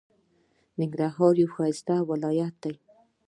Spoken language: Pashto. ننګرهار یو ښایسته ولایت دی.